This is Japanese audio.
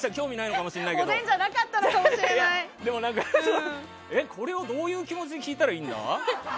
おでんじゃこれをどういう気持ちで聞いたらいいんだ？